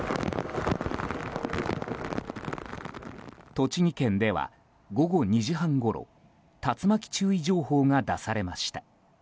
栃木県では午後２時半ごろ竜巻注意情報が出されました。